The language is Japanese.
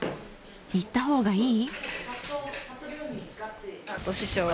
行った方がいい？］